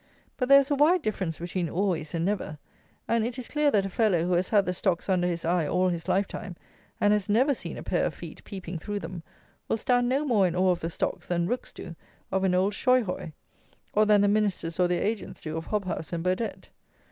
But there is a wide difference between always and never; and it is clear that a fellow who has had the stocks under his eye all his lifetime, and has never seen a pair of feet peeping through them, will stand no more in awe of the stocks than rooks do of an old shoyhoy, or than the Ministers or their agents do of Hobhouse and Burdett.